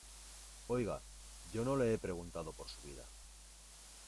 oiga, yo no le he preguntado por su vida.